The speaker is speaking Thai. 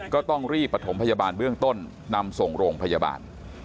ก็ต้องรีบประถมพยาบาลเบื้องต้นนำส่งโรงพยาบาล